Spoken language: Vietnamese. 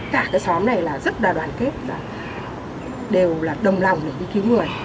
cả cái xóm này là rất là đoàn kết và đều là đồng lòng để đi cứu người